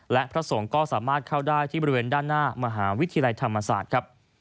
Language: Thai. และพระสงฆ์ก็สามารถเข้าได้ที่บริเวณด้านหน้ามหาวิทยาลัยธรรมศาสตร์ครับ